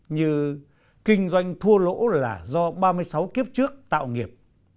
như kinh doanh thua lỗ là do ba mươi sáu kiếp trước tạo nghiệp